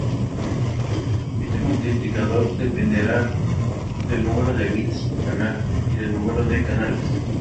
Este multiplicador dependerá del número de bits por canal, y del número de canales.